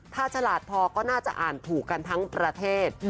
ถ้าฉลาดพอก็น่าจะอ่านถูกกันทั้งประเทศ